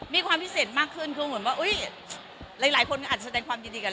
มีความพิเศษมากขึ้นคือเหมือนว่าอุ๊ยหลายหลายคนอันแสดงความจริงดีกับ